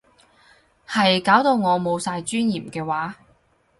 係搞到我冇晒尊嚴嘅話